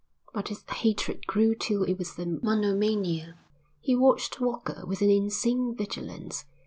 But his hatred grew till it was a monomania. He watched Walker with an insane vigilance.